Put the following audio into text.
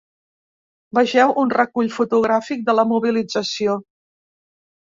Vegeu un recull fotogràfic de la mobilització.